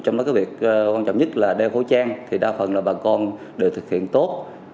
trong đó cái việc quan trọng nhất là đeo khẩu trang thì đa phần là bà con đều thực hiện tốt